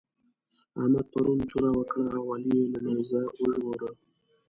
احمد پرون توره وکړه او علي يې له نېزه وژغوره.